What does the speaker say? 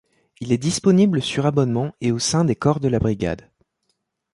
Il est disponible sur abonnement et au sein des corps de la brigade.